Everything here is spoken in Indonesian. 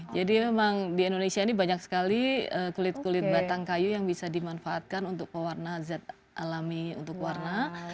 jadi memang di indonesia ini banyak sekali kulit kulit batang kayu yang bisa dimanfaatkan untuk pewarna zat alami untuk warna